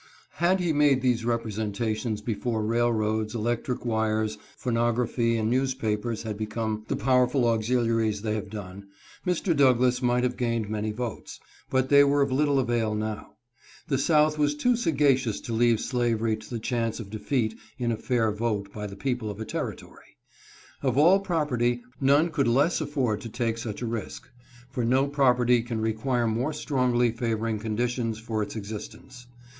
Had he made these representations before railroads, electric wires, phonography, and newspapers had become the powerful auxiliaries they have done, Mr. Douglas might have gained many votes, but they were of little avail now. The South was too sagacious to leave slavery to the chance of defeat in a fair vote by the people of a terri tory. Of all property none could less afford to take such a risk, for no property can require more strongly favor ing conditions for its existence.